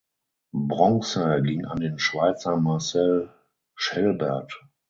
Bronze ging an den Schweizer Marcel Schelbert.